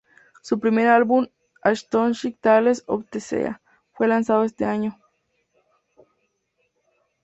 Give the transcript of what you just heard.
Su primer álbum, "Astonishing Tales of the Sea", fue lanzado ese año.